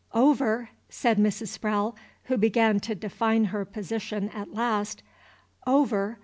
"Over!" said Mrs. Sprowle, who began to define her position at last, "over!